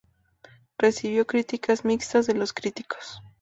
Recibió críticas mixtas de los críticos.